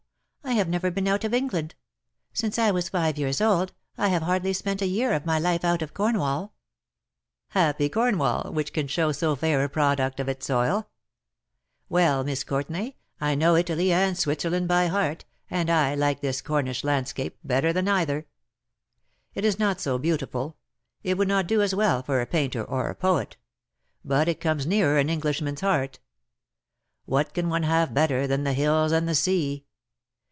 T have never been out of England. Since I was five years old I have hardly spent a year of my life out of Cornwall/' *' Happy Cornwall,, which can show so fair a product of its soil ! Well, Miss Courtenay, I know Italy and Switzerland by heart, and I like this Cornish landscape better than either. It is not so beautiful — it would not do as well for a painter or a poet ; but it comes nearer an Englishman's heart. What can one have better than the hills and the sea